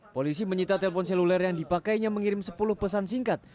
polisi menyita telpon seluler yang dipakainya mengirim sepuluh pesan singkat